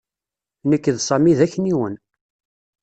Nekk d Sami d akniwen.